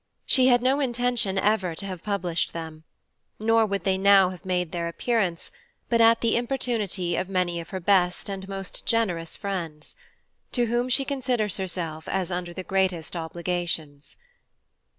She had no Intention ever to have published them; nor would they now have made their Appearance, but at the Importunity of many of her best, and most generous Friends; to whom she considers herself, as under the greatest Obligations.